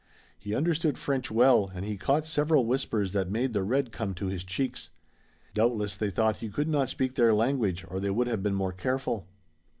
He understood French well, and he caught several whispers that made the red come to his cheeks. Doubtless they thought he could not speak their language or they would have been more careful.